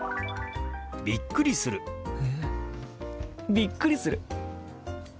びっくりする。